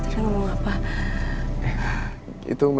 sekalian gue mau ngasih incuk lo ini